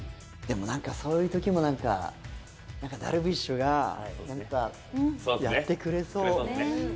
そういうときもダルビッシュがやってくれそう。